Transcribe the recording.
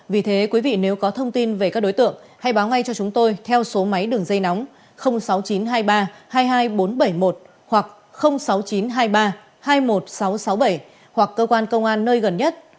vì thế quý vị nếu có thông tin về các đối tượng hãy báo ngay cho chúng tôi theo số máy đường dây nóng sáu mươi chín hai mươi ba hai mươi hai nghìn bốn trăm bảy mươi một hoặc sáu mươi chín hai mươi ba hai mươi một nghìn sáu trăm sáu mươi bảy hoặc cơ quan công an nơi gần nhất